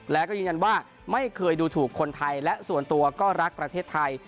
แล้วก็ยืนยันว่าไม่เคยดูถูกคนไทยและส่วนตัวก็รักประเทศไทย